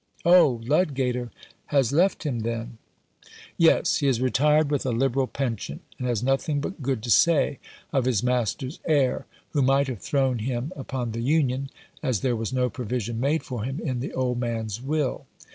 " Oh, Ludgater has left him, then ?" "Yes, he has retired with a liberal pension, and has nothing but good to say of his master's heir, who might have thrown him upon the Union, as there was no provision made for him in the old man's will.